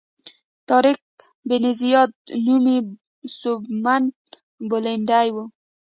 طارق بن زیاد نومي سوبمن بولندوی و.